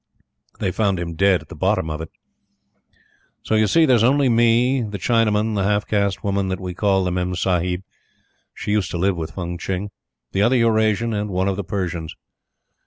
They found him dead at the bottom of it. So, you see, there is only me, the Chinaman, the half caste woman that we call the Memsahib (she used to live with Fung Tching), the other Eurasian, and one of the Persians.